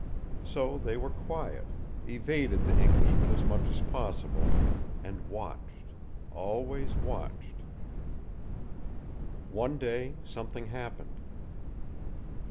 So they were quiet, evaded the Englishman as much as possible, and watched always watched. One day something happened.